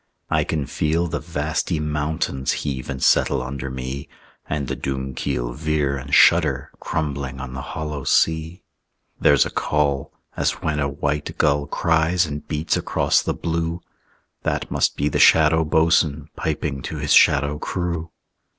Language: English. I can feel the vasty mountains Heave and settle under me, And the Doomkeel veer and shudder, Crumbling on the hollow sea. There's a call, as when a white gull Cries and beats across the blue; That must be the Shadow Boatswain Piping to his shadow crew.